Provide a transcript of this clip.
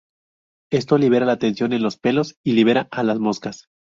Esto libera la tensión en los pelos y libera a las moscas.